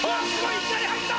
いきなり入った！